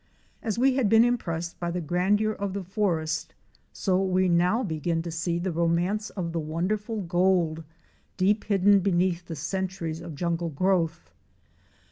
As we had been impressed by the grandeur of the forest, so we now began to see the romance of the wonderful gold deep hidden beneath the centuries of jungle growth.